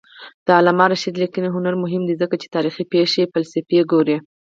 د علامه رشاد لیکنی هنر مهم دی ځکه چې تاریخي پېښې فلسفي ګوري.